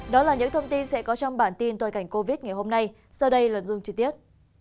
đó là những thông tin sẽ có trong bản tin tòa cảnh covid ngày hôm nay sau đây là dương tri tiết